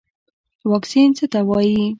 واکسین څه ته وایي